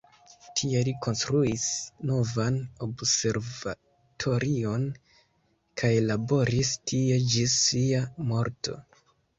Tie li konstruis novan observatorion kaj laboris tie ĝis sia morto.